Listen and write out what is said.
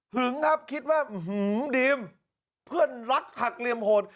ึงครับคิดว่าดีมเพื่อนรักหักเหลี่ยมโหด